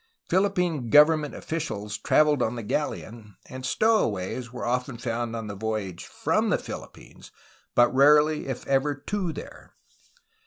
Philippine government officials traveled on the galleon, and stowaways were often found on the voyage from the Philippines, but rarely if ever to there.